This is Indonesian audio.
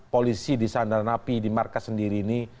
polisi di sandar napi di markas sendiri ini